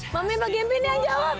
mami mbak gempy ini yang jawab